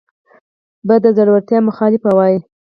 به د زړورتیا مخالف وای